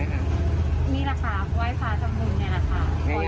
มีแหละค่ะไหว้ฟ้าจำนุนเนี่ยค่ะ